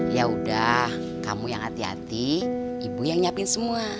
ya udah kamu yang hati hati ibu yang nyiapin semua